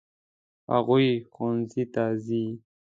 هغوی ښوونځي ته ځي.